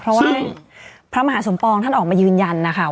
เพราะว่าพระมหาสมปองท่านออกมายืนยันนะคะ